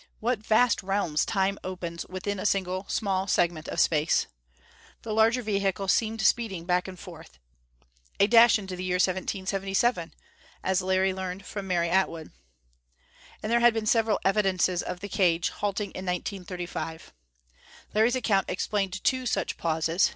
What vast realms Time opens within a single small segment of Space! The larger vehicle seemed speeding back and forth. A dash into the year 1777! as Larry learned from Mary Atwood. And there had been several evidences of the cage halting in 1935. Larry's account explained two such pauses.